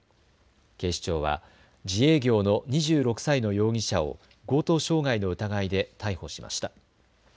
警視庁は自営業の２６歳の容疑者を強盗傷害の疑いで逮捕しました。